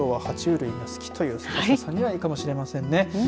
きょうは、は虫類が好きという坂下さんにはいいかもしれません。